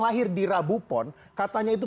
lahir di rabu pon katanya itu